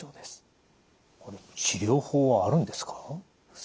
治療法はあるんですか？